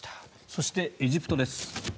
そして、エジプトです。